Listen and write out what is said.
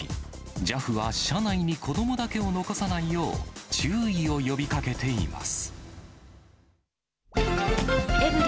ＪＡＦは、車内に子どもだけを残さないよう、注意を呼びかけています。